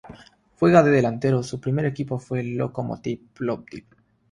Juega de delantero y su primer equipo fue Lokomotiv Plovdiv.